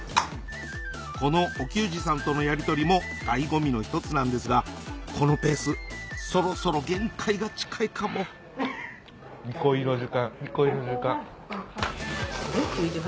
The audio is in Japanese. このお給仕さんとのやりとりも醍醐味の一つなんですがこのペースそろそろ限界が近いかも憩いの時間憩いの時間。